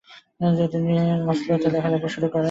তিনি অসলোতে লেখালেখি শুরু করেন।